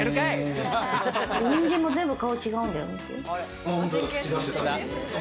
ニンジンも全部、顔違うんだよ。